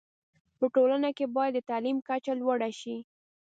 په ټولنه کي باید د تعلیم کچه لوړه شی